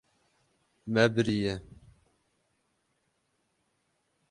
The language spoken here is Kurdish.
Me biriye.